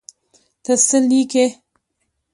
ته څه لیکې.